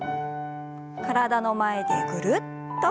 体の前でぐるっと。